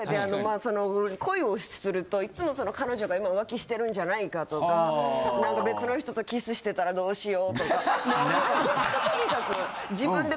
その恋をするといっつもその彼女が今浮気してるんじゃないかとか何か別の人とキスしてたらどうしようとかほんととにかく。